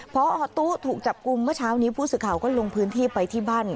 พอตู้ถูกจับกลุ่มเมื่อเช้านี้ผู้สื่อข่าวก็ลงพื้นที่ไปที่บ้าน